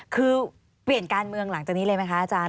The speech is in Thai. คือเปลี่ยนการเมืองหลังจากนี้เลยไหมคะอาจารย์